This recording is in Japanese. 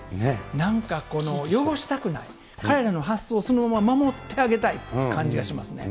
なんか汚したくない、彼らの発想、そのまま守ってあげたい感じがしますね。